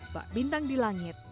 bak bintang di langit